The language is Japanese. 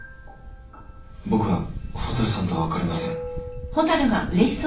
僕は蛍さんとは別れません。